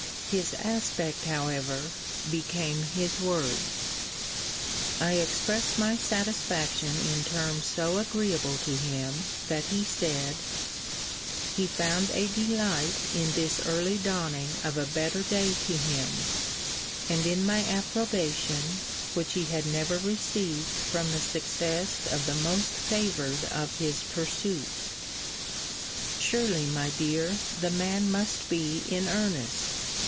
His aspect however became his words. I expressed my satisfaction in terms so agreeable to him, that he said, he found a delight in this early dawning of a better day to him, and in my approbation, which he had never received from the success of the most favoured of his pursuits. Surely, my dear, the man must be in earnest.